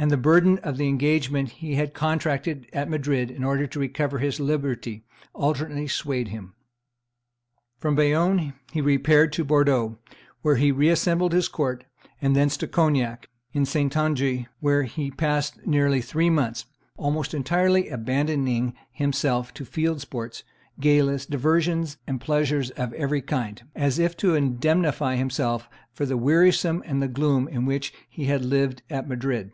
and the burden of the engagement he had contracted at Madrid in order to recover his liberty, alternately swayed him. From Bayonne he repaired to Bordeaux, where he reassembled his court, and thence to Cognac, in Saintonge, where he passed nearly three months, almost entirely abandoning himself to field sports, galas, diversions, and pleasures of every kind, as if to indemnify himself for the wearisomeness and gloom in which he had lived at Madrid.